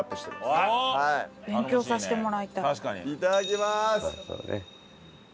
いただきます！